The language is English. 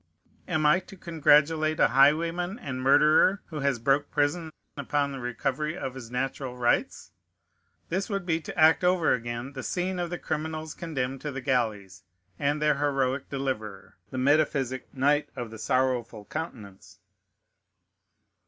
Am I to congratulate a highwayman and murderer who has broke prison upon the recovery of his natural rights? This would be to act over again the scene of the criminals condemned to the galleys, and their heroic deliverer, the metaphysic Knight of the Sorrowful Countenance.